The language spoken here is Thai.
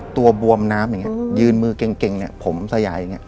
ตัวบวมน้ำอย่างนี้ยืนมือเก่งเนี่ยผมสยายอย่างนี้